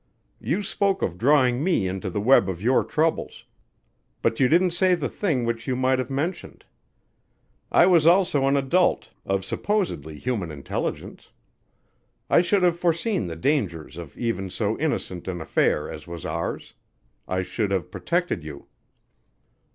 You spoke of drawing me into the web of your troubles but you didn't say the thing which you might have mentioned. I was also an adult of supposedly human intelligence. I should have foreseen the dangers of even so innocent an affair as was ours. I should have protected you."